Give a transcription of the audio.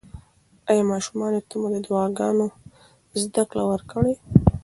ایا ماشومانو ته مو د دعاګانو زده کړه ورکړې؟